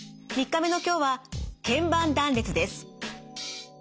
３日目の今日は腱板断裂です。